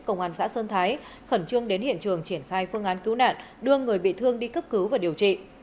công an xã sơn thái khẩn trương đến hiện trường triển khai phương án cứu nạn đưa người bị thương đi cấp cứu và điều trị